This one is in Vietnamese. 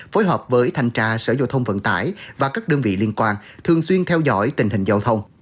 phối hợp với thanh tra sở giao thông vận tải và các đơn vị liên quan thường xuyên theo dõi tình hình giao thông